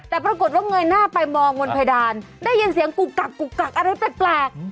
แต่ปรากฏว่าเงยหน้าไปมองบนเพดานได้ยินเสียงกุกกักกุกกักอะไรแปลก